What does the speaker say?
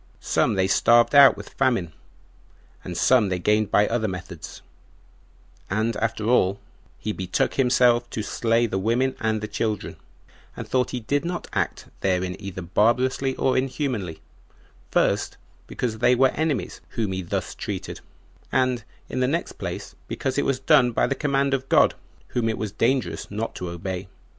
Some they starved out with famine, and some they gained by other methods; and after all, he betook himself to slay the women and the children, and thought he did not act therein either barbarously or inhumanly; first, because they were enemies whom he thus treated, and, in the next place, because it was done by the command of God, whom it was dangerous not to obey.